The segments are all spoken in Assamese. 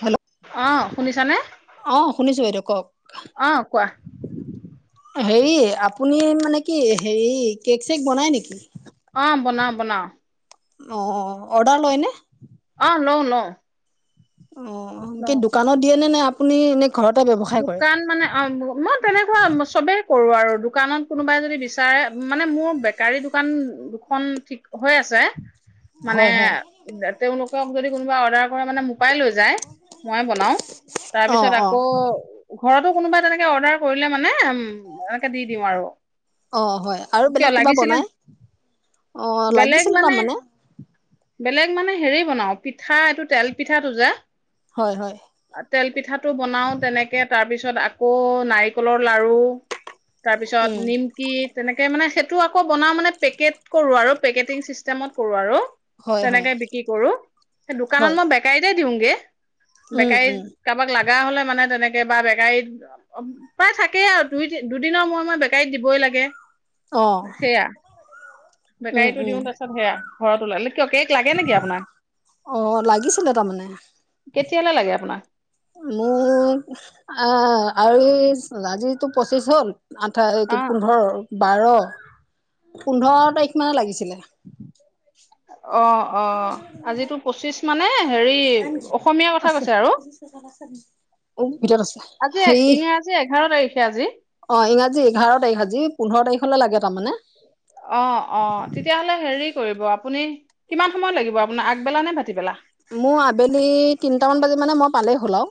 হেল্ল' অঁ শুনিছানে? অ শুনিছো বাইদেউ কওক। আহ কোৱা। হেৰি আপুনি মানে কি হেৰি কেক চেক বনায় নেকি? অ বনাও বনাও। অ অৰ্ডাৰ লয় নে। অ লয়ো লয়ো। অ কি দোকানত দিয়ে নে নে। আপুনি এনে। ঘৰতে ব্যৱসায় কৰে দোকান মানে অ মই তেনেকুৱা চবে। কৰো আৰু দোকানত কোনোবাই যদি বিচাৰে মানে মোৰ বেকাৰী দোকান দুখন ঠিক হৈ আছে? মানে হয় হয় তেওঁলোকক যদি কোনোবা অৰ্ডাৰ। মানে মোপাই লৈ যায়। মই বনাও অ তাৰপিছত অ আকৌ। ঘৰতো কোনোবাই তেনেকে অৰ্ডাৰ। কৰিলে মানে উ। অ হয় আৰু বেলেগ কিয় কিবা লাগিছিলে বনাই অ বেলেগ লাগিছিলে মানে তাৰমানে। বেলেগ মানে হেৰি বনাও পিঠা এইটো তেল পিঠাটোজে? হয় হয়। তেল পিঠা। টো বনাওওঁ তেনেকে? তাকে তাৰ পিছত আকৌ নাৰিকলৰ লাৰু তাৰপিছত উম নিমকি তেনেকে মানে টো আকৌ বনাও মানে পেকেট কৰো আৰু পেকেটিং চিষ্টেমত কৰো আৰু। হয় হয় তেনেকে বিক্ৰী কৰো সেই দোকানত হয় মই বেকাই দ কি ৰুংগে? উম বেকাৰী উম কাবাক লাগ বেয়া হ'লে মানে তেনে কাৰোবা বেকাৰীত প্ৰায় থাকেই আৰু দুই দুদিনৰ ময় মই বেকাৰীত দিবই লাগে। অহ সেয়া বেকাৰীতো দিও তাৰপছতেয়া ঘৰত ওলালে কিয় কেক লাগে নেকি আপোনাক অ লাগিছিলে তাৰমানে কেতিয়ালৈ লাগে আপোনাক মোক আহ আৰু আজিতটো পঁচিছ হ'ল আঠাই অ পোন্ধৰ। বাৰ পোন্ধৰ তাৰিখ মানে লাগিছিলে। অ অ আজিতো পঁচিছ মানে হেৰি অসমীয়া কথা আছে কৈছে আৰু ভিতৰত আছে আজি হেৰি ইংৰাজী এঘাৰ তাৰিখে আজি। আজি এঘাৰ তাৰিখ আজি পোন্ধৰ তাৰিখলৈ লাগে তাৰমানে। অ অ তেতিয়াহ'লে হেৰি কৰিব আপুনি কিমান সময় লাগিব আপোনাৰ আগবেলা নে ভাতিবেলা? মোৰ আবেলি তিনটামান বাজি মানে মই পালেই হ'ল আৰু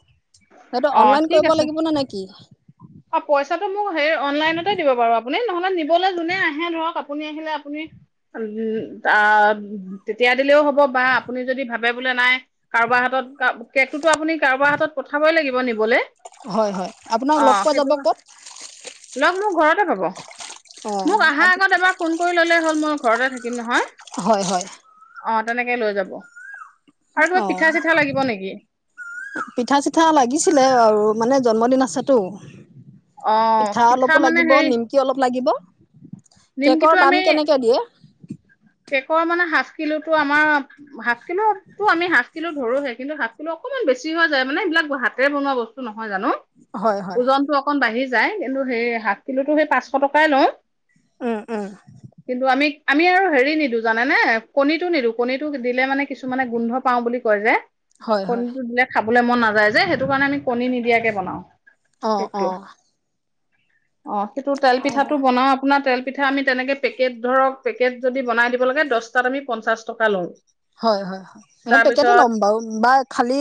সেইটো অ', অনলাইন ঠিক কৰিব আছে। লাগিব নে নে কি? অ', পইচাটো মোক হেৰি অনলাইনতে দিব বাৰু আপুনি নহ'লে নিবলৈ যোনে আহে ধৰক আপুনি আহিলে আপুনি উ আ তেতিয়া দিলেও হ'ব বা আপুনি যদি ভাবে বোলে নাই কাৰোবাৰ হাতত কেকটোতো আপুনি কাৰোবাৰ হাতত পঠাবই লাগিব নিবলৈ হয় হয় আপোনাক অ। লগ পোৱা সেইটো যাব ক ক'ত লগ মোৰ ঘৰত [unintelligible] অ মোক আহা আগত এবাৰ ফোন কৰি ললে হ'ল মোৰ ঘৰতে থাকিম নহয়। হয় ', হয়', অ ', তেনেকে লৈ যাব। আৰু কিবা অ পিঠা চিঠা লাগিব নেকি ', পিঠা চিঠা লাগিছিলে আৰু মানে জন্মদিন আছেতো। অ পিঠা অলপো মানে লাগিব হেৰি নিমকি অলপ লা গীব। কেকৰ নিমকিটো দাম আমি কেনেকে দিয়ে? কেকৰ মানে হাফ কিলোটো আমাৰ, হাফ কিলোটো আমি হাফ কিলো ধৰোহে কিন্তু, হাফ কিলো অকনমান বেছি হৈ যায় মানে এইবিলাক হাতেৰে বনোৱা বস্তু নহয় জানো। হয় হয় ওজনটো অকণ বাঢ়ি যায় কিন্তু সেই হাফ কিলোতো সেই পাঁচশ টকাই লয়। উম উম কিন্তু আমি আমি আৰু হেৰি নিদো জানে নে, কণীটো নিদো কণীটো দিলে মানে কিছুমানে গোন্ধ পাওঁ বুলি কয় যে। হয় হয় কনীটো দিলে খাব বোলে মন নাযায় যে সেইটো কাৰণে আমি কণী নিদিয়াকে বনাও। অ, কেকটো অ। অ, সেইটো তেল অ পিঠাটো বনাও আপোনাৰ তেল পিঠা আমি তেনেকে পেকেট ধৰক পেকেট যদি বনাই দিব লাগে দচটাত আমি পঞ্চাশ টকা লওঁ। হয় হয় হয়, পেকেট তাৰপিছত লম বাৰু বা খালি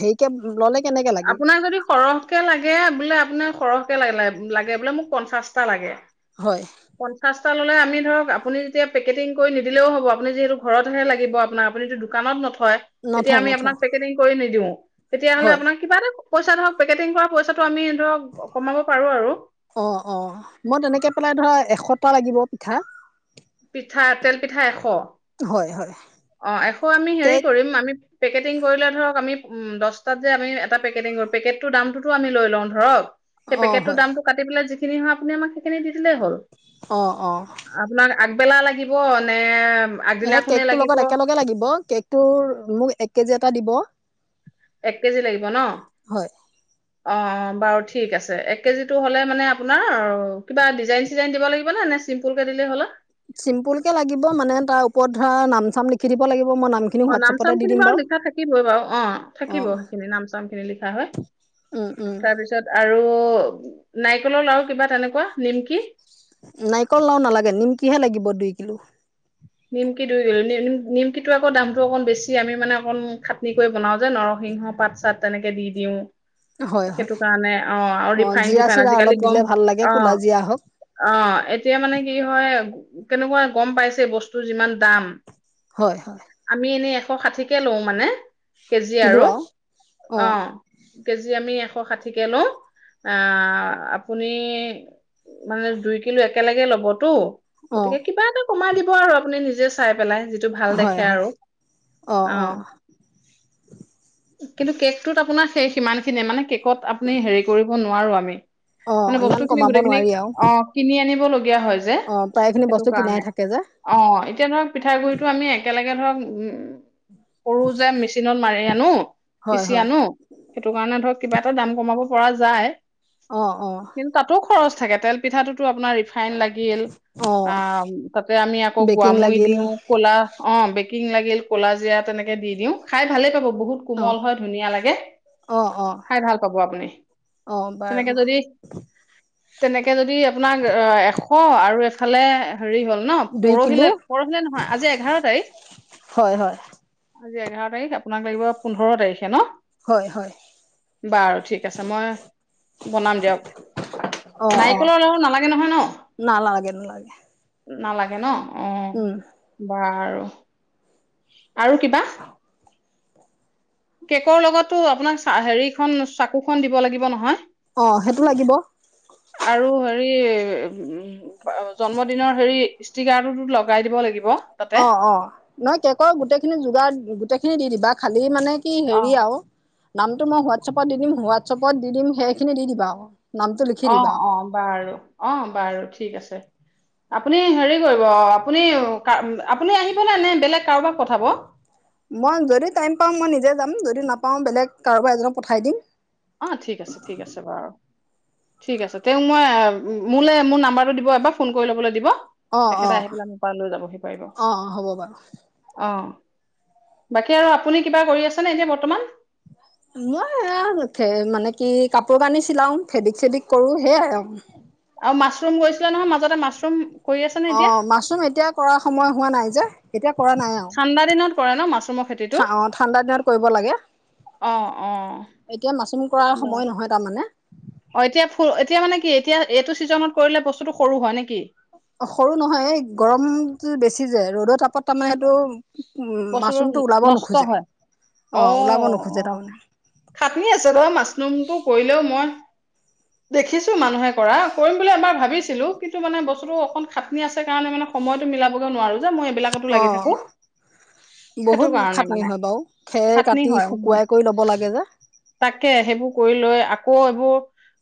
সেৰিকে ল'লে কেনেকৈ লাগে আপোনাক যদি সৰহকে লাগে বোলে আপোনাৰ সৰহকে লাগে, লাগে বোলে মোক পঞ্চাশটা লাগে। হয় পঞ্চাচটা ললে আমি ধৰক আপুনি যেতিয়া পেকেটিং কৰি নিদিলেও হব আপুনি যিহেতু ঘৰতহে লাগিব আপোনাৰ আপুনিটো দোকানত নথ হয়, তেতিয়া নথওঁ আমি নথওঁ আপোনাক পেকেটিং কৰি নিদিও। তেতিয়াহলে হয় আপোনাক কিবা এটা পইচা ধৰক পেকেটিং কৰা পইচাটো আমি ধৰক কমাব পাৰো আৰু অ, অ, মই তেনেকে পেলাই ধৰা এশ খটা লাগিব পিঠা। পিঠা তেল, পিঠা এশ। হয় হয় অ, এশ আমি হেৰি কেক কৰিম আমি পেকেটিং কৰিলে ধৰক আমি উম, দচটাত যে আমি এটা পেকেটিং কৰো, পেকেটটোৰ দামটোতো আমি লৈ লওঁ ধৰক। সেই অঁ পেকেতটো হয় দামটো কাটি পেলাই সেইখিনি হয় আপুনি আমাক সেইখিনি দি দিলেই হ'ল। অ, অ। বেলা লাগিব নে? আগদিনাখনে কেকটোৰ লাগিব লগত একেলগে লাগিব, কেকটোৰ মোক এক কেজি এটা দিব। এক কেজি লাগিব ন, অ, হয় অ। বাৰু ঠিক আছে। এক কেজিটো হ'লে মানে আপোনাৰ কিবা ডিজাইন চিজাইন দিব লাগিব নে, নে চিম্পুল কে দিলেই হ'ল। চিম্পুল কে লাগিব মানে তাৰ ওপৰত ধৰা নাম চাম লিখি দিব লাগি অ নাম চাম খিনি বাৰু লিখা থাকিবই বাৰু, অ থাকিব অঁ সেইখিনি নাম চাম খিনি লিখা হয় উম উম তাৰপিছত আৰু ত, নাৰিকলৰ লাৰু কিবা তেনেকুৱা নিমকি নাৰিকল লাৰু নালাগে, নিমকিহে লাগিব দুই কিলো। নিমকি দুই কিলো, নি নিম নিমকিটো আকৌ দামটো অকণ বেছি আমি মানে অকণ খাটনি কৰি বনাওঁ যে নৰসিংহ পাত চাত তেনেকে দি দিওঁ। হয় হয় সেইটো কাৰণে অ আৰু ৰিফাইন জিৰা চিফাইন চিৰা আজিকালি অলপ গম, দিলে ভাল লাগে অ, ক'লা জিৰা হওক অ এতিয়া মানে কি হয় কেনেকোৱা গম পাইছে বস্তুৰ যিমান দাম হয় হয় আমি এনেই এশ ষাঠিকে লওঁ মানে। কেজি আৰু অ, কেজি আমি এশ ষাঠিকে লও, আহ আপুনি মানে দুই কিলো একেলগে ল'বতো অ গতিকে কিবা এটা সোমাই দিব আৰু আপুনি নিজে চাই পেলাই যিটো ভাল দেখে হয় হয় আৰু অ কিন্তু কেকটোত আপোনাৰ শেষ সিমানখিনিয়ে মানে কেক ত আপুনি হেৰি কৰিব নোৱাৰো আমি মি অ মানে বস্তু ইমান খিনি কমাব গোটেইখিনি, নোৱাৰি আৰু অ কিনি আনি অ প্ৰায়খিনি বস্তু কিনাই থাকে যে। অ, এতিয়া ধৰক পিঠা গুৰিতো আমি একেলগে ধৰক উম, উম। সৰু যে মেচিনত মাৰি আনো, হয় পিছি হয় আনো, সেইটো কাৰণে ধৰক কিবা এটা দাম কমাব পৰা যায়। অহ, অহ। কিন্তু তাতো খৰচ থাকে তেল পিঠাতুটো আপোনাৰ ৰি ফাইন লাগিল, অ আ তাতে আমি আকৌ বেকিং গোৱামুৰি লাগিল দিওঁ, কলা অ বেকিং লাগিল, কলাজিৰা তেনেকে দি দিও খাই ভালেই পাব। বহুত অ কোমল হয় ধুনীয়া লাগে, অ অ খাই ভাল পাব আপুনি, অ তেনেকে বাৰু যদি তেনেকে যদি আপোনাক এশ আৰু এফালে হেৰি হ'ল ন দুই কিলো পৰহিলে প, ৰহিলে নহয় আজি এঘাৰ তাৰিখ। হয় হয় আজি এঘাৰ তাৰিখ আপোনাক লাগিব পোন্ধৰ তাৰিখে ন। হয় হয় বাৰু ঠিক আছে মই বনাম দিয়ক অ অ নাৰিকলৰ লাৰু নালাগে নহয় ন? নালাগে নালাগে নালাগ গেন? উম বাৰু আৰু কিবা? কেকৰ লগতো আপোনাক হেৰিখন চাকুখন দিব লাগিব নহয়। অ সেইটো লাগিব। [unintelligible] জন্মদিনৰ হেৰি ষ্টিকাৰটোত লগাই দিব লাগিব। তাতে অ অ নহয় কেকৰ গোটেইখিনি যোগাৰ গোটেইখিনি খিনি দি দিবা খালি মানে কি অ হেৰি আৰু নামটো মই হোৱাটছএপত দি দিম হোৱাটছএপত দি দিম সেইখিনি দি দিবা আৰু। নামটো লিখি অ দিবা অ বাৰু অ বাৰু। ঠিক আছে আপুনি হেৰি কৰিব আপুনি আপুনি আহিবনে নে বেলেগ কাৰোবাক পঠাব? মই যদি টাইম পাওঁ মই নিজে যাম যদি নাপাওঁ বেলেগ কাৰোবা এজনক পঠাই দিম। অ ঠিক আছে ঠিক আছে বাৰু। ঠিক আছে তেওঁক মই মো মোৰ নাম্বাৰটো দিব এবাৰ ফোন কৰি ল'বলৈ দিব। অ অ তেখেতে আহি পাৰ্লাৰলৈ যাবহি পৰিব অ হ'ব বাৰু অ। বাকী আৰু আপুনি কিবা কৰি আছেনে এতিয়া বৰ্তমান? মই মানে কি কাপোৰ কানি চিলাও ফেদিক চেদিক কৰো সেয়াই আৰু। আৰু মাছৰুম গৈছিলে নহয় মাজতে মাছৰুম কৰি আছেনে অ এতিয়া মাছৰুম এতিয়া কৰা সময় হোৱা নাই যে এতিয়া কৰা নাই আৰু ঠাণ্ডা দিনত কৰে ন মাছৰুমৰ খেতিটো ঠা-ঠাণ্ডা দিনত কৰিব লাগে অঁ অঁ এতিয়া মাচম কৰাৰ সময় নহয় তাৰমানে। অঁ এতিয়া ফু এতিয়া মানে কি এতিয়া এইটো ছিজনত কৰিলে বস্তুটো সৰু হয় নেকি? অ সৰু নহয় এই গৰম বেছি যে ৰ'দৰ তাপত তামানে সেইটো বস্তুোটো মাছৰুমটো ওলাব নষ্ট নোখোজে হয় অঁ ওলাব আহ নোখোজে অ তাৰমানে খাটনি আছে তই মাছৰুমটো কৰিলেও মই দেখিছো মানুহে কৰা কৰিম বুলি এবাৰ ভাবিছিলো কিন্তু মানে বস্তুতটো অকন খাটনি আছে কাৰণে মানে সময়তো মিলাবগে নোৱাৰো। যে মই এইবিলাকতো লাগি অঁ থাকো। সেইটো বহুত কাৰণে খাটনি মানে হয় বাৰু খেৰ খাটনি কাটি হয় উম শুকুৱাই কৰি ল'ব লাগে যে। তাকে সেইবোৰ কৰি লৈ আকৌ এইবোৰ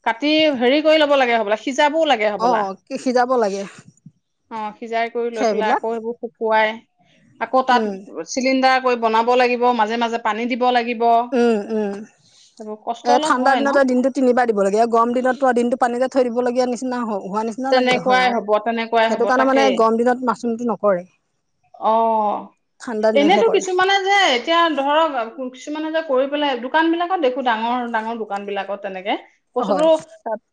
কাটি হেৰি কৰি ল'ব লাগে হব। সিজাবও লাগে অঁ হবলা। সিজাব লাগে অ সিজাই কৰি লৈ পেলাই খেৰবিলাক আকৌ সেইবোৰ শুকুৱাই আকৌ তাত এই চিলিণ্ডাৰ বনাব লাগিব মাজে মাজে পানী দিব লাগিব। উম উম সেইবোৰ কষ্ট এ অলপ ঠাণ্ডা হয় দিনত ন দিনতটো তিনিবাৰ দিব লাগে আৰু গৰম দিনত প দিনটো পানীতে থৈ দিব গীয়া নিচিনা হওক তেনেকুৱাই হব তেনেকুৱাই হব কাৰণে তাকে মানে গৰম দিনত মাছৰুমটো নকৰে অ ঠাণ্ডা দিনতহে এনেতো কৰে কিছুমানে যে এতিয়া ধৰক কিছুমান যে কৰি পেলাই দোকানবিলাকত দেখোঁ ডাঙৰ ডাঙৰ দোকানবিলাকত তেনেকে - বস্তুতটো হয়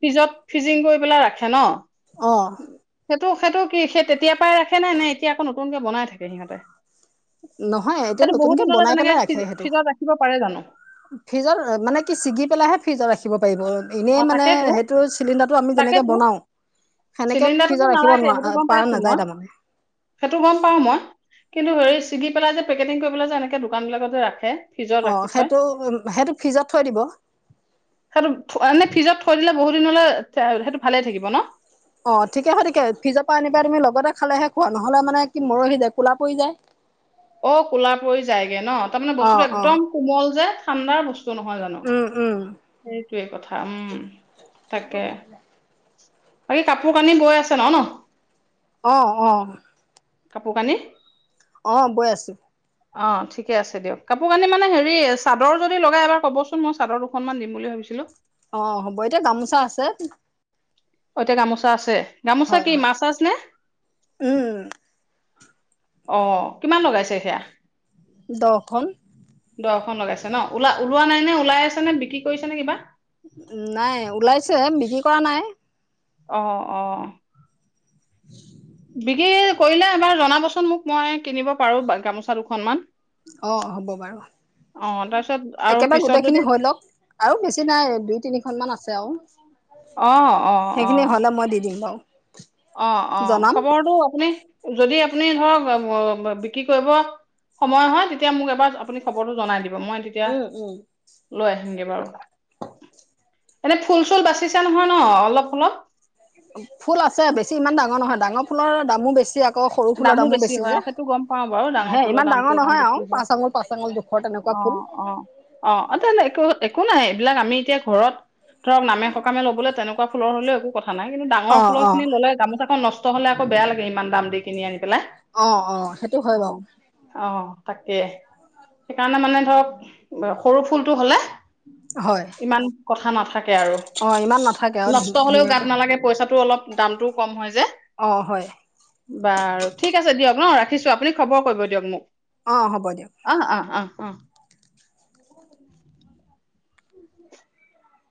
ফিজত ফিজিং কৰি পেলাই ৰাখে ন? অঁ সেইটো সেইটো কি সেই তেতিয়া পাই ৰাখে নাই নাই এতিয়া আকৌ নতুনকে বনাই থাকে সিহঁতে নহয় এতিয়া সেইটো বহুত নতুনকে দিনলৈ বনাই তেনেকে পেলাই ৰাখে, সেইটো ফ্ৰিজত ৰাখিব পাৰে জানো ফিজত মানে কি ছিগি পেলাইহে ফ্ৰিজত ৰাখে। খিব পাৰিব। এনেই অ মানে তাকেতো সেইটো চিলিণ্ডাৰটো আমি যেনেকে তাকেতো বনাও, সেনেকে চিলিণ্ডাৰটোতো ফ্ৰিজত ৰাখিব নাৰাখে নোৱাৰা সেইটো গম পৰা পাইছো মই নাযায় তাৰমানে। সেইটো গম পাও মই কিন্তু হে ছিগি পেলাই যে পেকেটিং কৰিবলৈ যে এনেকে দোকান বিলাক যে ৰাখে ফ্ৰিজত অ ৰাখি থয় সেইটো উ সেইটো ফিজত থৈ দিব। মানে ফিজত থৈ বহু দিন হ সেইটো ভালে থাকিব ন? অ ঠিকেছে ঠিকে ফিজৰ পৰা আন পাই তুমি লগতে খালেহে খোৱা, নহ'লে মানে কি মৰহি যায় কোলা পৰি যায়। অ কলা পৰি যায়গে ন তাৰমানে অ বস্তুটো অ একদম কোমল যে ঠাণ্ডা বস্তু নহয় জানো উম উম সেইটোৱে কথা উম তাকে বাকী কাপোৰ কানি বৈ আছে ন ন? অ অ কাপোৰ কানি? অ বৈ আছো অ ঠিকে আছে দিয়ক, কাপোৰ কানি মানে হেৰি চাদৰ যদি লগাই এবাৰ ক'বচোন মই চাদৰ দুখনমান দিম বুলি ভাবিছিলোঁ। অ হ'ব এতিয়া গামোচা আছে। এতিয়া গামোচা আছে? গামোচা হয় কি হয় মাছ চাছ নে? উম অ কিমান লগাইছে? দিয়া দহখন দহ খন লগাইছে ন ওলা ওলোৱা ন ওলাই আছে নে বিক্ৰী কৰিছে নে কিবা? নাই ওলাইছে মিহি কৰা নাই। অহ অ উম বিক্ৰী কৰিলে এবাৰ জনাবচোন মোক মই কিনিব পাৰো গামোচা দুখনমান অ হ'ব বাৰু অ তাৰপিছত আৰু একেবাৰে পিছত গোটেই যদি খিনি হৈ লওক আৰু বেছি নাই দুই তিনিখন মান আছে চেও অ অ অ দিম বাৰু অ অ জনাম খবৰটো আপুনি যদি আপুনি ধৰক [unintelligible] বিক্ৰী কৰিব সময় হয় তেতিয়া মোক এবাৰ আপুনি খবৰটো জনাই দিব মই তেতিয়া উম উম লৈ আহিমগে বাৰু এনে ফুল চুল বাচিছো নহয় ন অলপ অলপ ফুল আছে বেছি ইমান ডাঙৰ নহয় ডাঙৰ ফুলৰ দামো বেছি ইয়াক দামো বেছি হয় অ সেইটো গম পাও বাৰু ডাঙৰ হে ফুলৰ ইমান দামতটো ডাঙৰ অকমান নহয় আৰু বেছি হয় পাঁচ আঙুল পাঁচ আঙুল জোখৰ তেনেকুৱা অ ফুল অ অ তেনে একো একো নাই এইবিলাক আমি এতিয়া ঘৰত ধৰক নামে সকামে ল'বলৈ তেনেকুৱা ফুলৰ হলেও একো কথা নাই কিন্তু ডাঙৰ অ ফুল অ খিনি ল'লে গামোাখন নষ্ট নহ'লে আক বেয়া লাগে ইমান দাম কিনি আনি পেলাই অ অ সেইটো হয় অ বাৰু অ তাকে সেইকাৰণে মানে ধৰক সৰু ফুলটো হলে হয় ইমান কথা নাথাকে তে আৰু অ ইমান নাথাকে আৰু নষ্ট হলেও গাত ধুনীয়াকে নালাগে পইচাটো অলপ দামটোও কম হয় যে অ হয় বাৰু ঠিক আছে দিয়ক ন ৰাখিছো আপুনি খবৰ কৰিব দিয়ক মোক অ হ'ব দিয়ক অ', অ', অ', অ